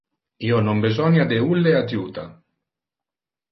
Io non besonia de ulle adjuta.